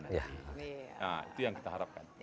nah itu yang kita harapkan